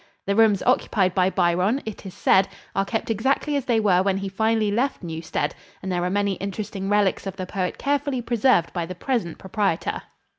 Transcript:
The rooms occupied by Byron, it is said, are kept exactly as they were when he finally left Newstead and there are many interesting relics of the poet carefully preserved by the present proprietor.